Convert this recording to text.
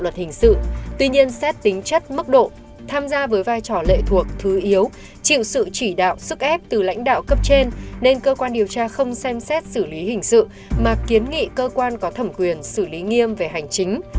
luật hình sự tuy nhiên xét tính chất mức độ tham gia với vai trò lệ thuộc thứ yếu chịu sự chỉ đạo sức ép từ lãnh đạo cấp trên nên cơ quan điều tra không xem xét xử lý hình sự mà kiến nghị cơ quan có thẩm quyền xử lý nghiêm về hành chính